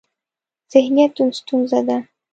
ذهنیت ستونزه ده.